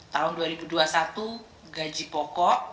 tahun dua ribu dua puluh satu gaji pokok